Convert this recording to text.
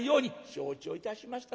「承知をいたしました。